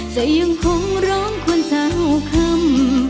จะยังคงร้องควรสาวคำ